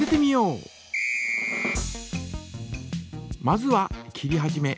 まずは切り始め。